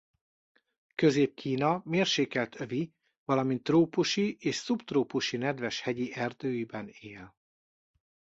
Közép-Kína mérsékelt övi valamint trópusi és szubtrópusi nedves hegyi erdőiben él.